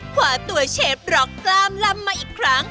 ผว่าตัวเชฟบล็อกกลามลำ